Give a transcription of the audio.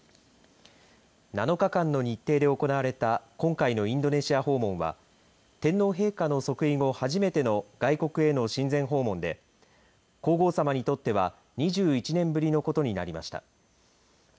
７日間の日程で行われた今回のインドネシア訪問は天皇陛下の即位後初めての外国への親善訪問で皇后さまにとっては２１年ぶりのことになりました。